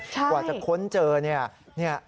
กว่าจะค้นเจอเนี่ย